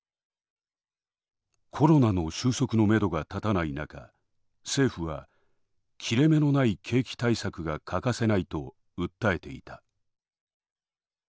「コロナの収束のめどが立たない中政府は切れ目のない景気対策が欠かせないと訴えていた。